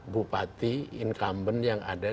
bupati incumbent yang ada